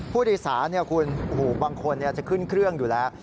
ผู้โดยสารคุณบางคนจะขึ้นเครื่องอยู่แล้ว